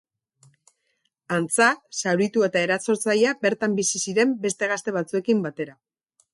Antza, zauritua eta erasotzailea bertan bizi ziren beste gazte batzuekin batera.